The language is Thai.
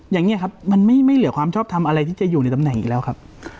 อย่างนี้ครับมันไม่เหลือความชอบทำอะไรที่จะอยู่ในตำแหน่งอีกแล้วครับ